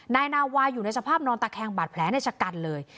นายนาวาอยู่ในสภาพนอนตะแคงบาดแผลในชะกันเลย